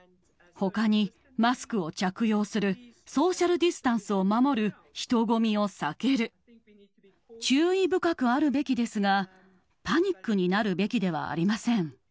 ほかに、マスクを着用する、ソーシャルディスタンスを守る、人混みを避ける、注意深くあるべきですが、パニックになるべきではありません。